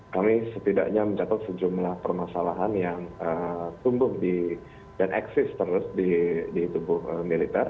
kami setidaknya mencatat sejumlah permasalahan yang tumbuh dan eksis terus di tubuh militer